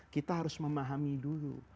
kita harus memahami dulu